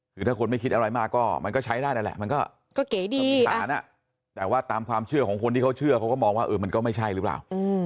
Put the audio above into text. คือถ้าคนไม่คิดอะไรมากก็มันก็ใช้ได้นั่นแหละมันก็เก๋ดีฐานแต่ว่าตามความเชื่อของคนที่เขาเชื่อเขาก็มองว่ามันก็ไม่ใช่หรือเปล่า